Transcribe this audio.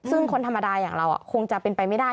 ซึ่งคนธรรมดาอย่างเราคงจะเป็นไปไม่ได้